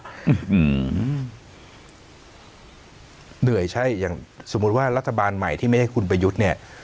อืมเหนื่อยใช่อย่างสมมุติว่ารัฐบาลใหม่ที่ไม่ใช่คุณประยุทธ์เนี่ย